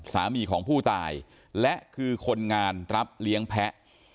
สามีของผู้ตายและคือคนงานรับเลี้ยงแพ้